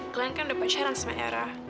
glenn kan udah pacaran sama herak